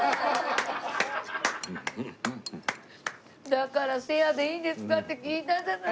だからシェアでいいですか？って聞いたじゃないですか。